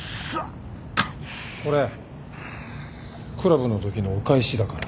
これクラブのときのお返しだから。